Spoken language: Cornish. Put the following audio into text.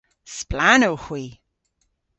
Splann owgh hwi.